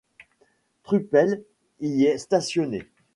Truppel y est stationné.